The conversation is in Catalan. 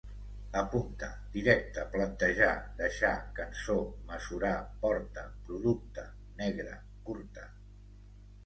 Apunta: directa, plantejar, deixar, cançó, mesurar, porta, producte, negre, curta